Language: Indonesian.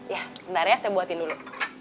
ya sebentar ya saya buatin dulu